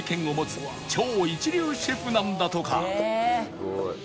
すごい。